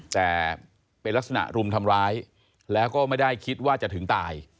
แต่เป็นลักษณะรุมทำร้ายแล้วก็ไม่ได้คิดว่าจะถึงตาย